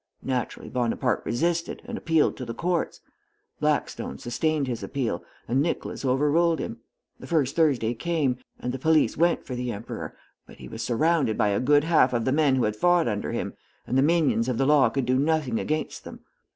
Naturally Bonaparte resisted, and appealed to the courts. Blackstone sustained his appeal, and Nicholas overruled him. The first Thursday came, and the police went for the Emperor, but he was surrounded by a good half of the men who had fought under him, and the minions of the law could do nothing against them.